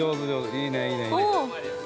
いいね、いいね。